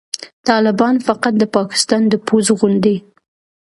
طالبان فقط د پاکستان د پوځ غوندې